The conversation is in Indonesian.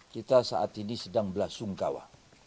kita saat ini sedang belasungkawa